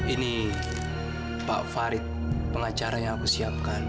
ini pak farid pengacara yang aku siapkan